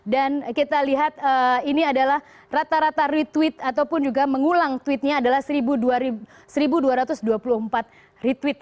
dan kita lihat ini adalah rata rata retweet ataupun juga mengulang tweetnya adalah seribu dua ratus dua puluh empat retweet